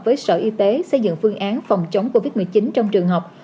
với sở y tế xây dựng phương án phòng chống covid một mươi chín trong trường học